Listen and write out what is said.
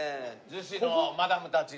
逗子のマダムたちが。